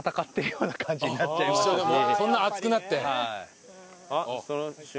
そんな熱くなって。